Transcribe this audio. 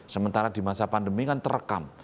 sementara di masa pandemi kan terekam